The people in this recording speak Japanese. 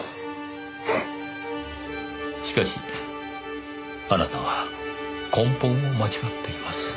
しかしあなたは根本を間違っています。